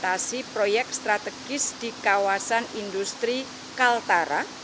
dan mendorong implementasi proyek strategis di kawasan industri kaltara